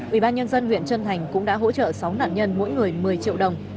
ủy ban nhân dân huyện trân thành cũng đã hỗ trợ sáu nạn nhân mỗi người một mươi triệu đồng